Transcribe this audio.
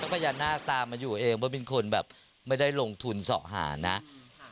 พญานาคตามมาอยู่เองเพราะเป็นคนแบบไม่ได้ลงทุนส่อหานะ